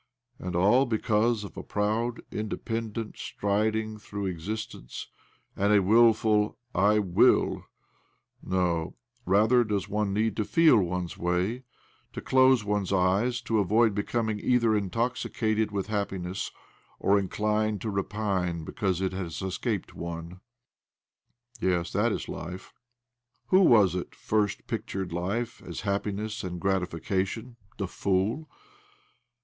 And all because of a proud, inde pendent striding through existence and a wil ful ' I will '! No ; rather does one need to feel one's way, to close one's eyes, to avoid becoming either intoxicated with happiness or inclined to repine because it has escaped one. Yes, that is life. Who was it first pictured life as happiness and gratification? The fool